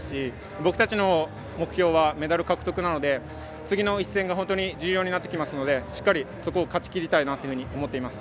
僕たちの目標はメダル獲得なので次の一戦が本当に重要になってくるのでしっかりそこを勝ち切りたいなと思っています。